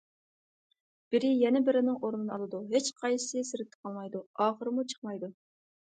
بىرى يەنە بىرىنىڭ ئورنىنى ئالىدۇ، ھېچقايسىسى سىرتتا قالمايدۇ، ئاخىرىمۇ چىقمايدۇ.